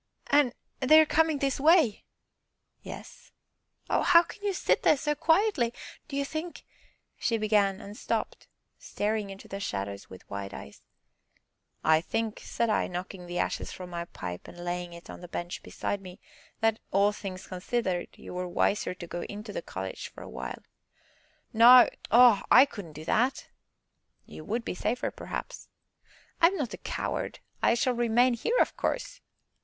"And they are coming this way!" "Yes." "Oh how can you sit there so quietly? Do you think " she began, and stopped, staring into the shadows with wide eyes. "I think," said I, knocking the ashes from my pipe, and laying it on the bench beside me, "that, all things considered, you were wiser to go into the cottage for a while." "No oh, I couldn't do that!" "You would be safer, perhaps." "I am not a coward. I shall remain here, of course."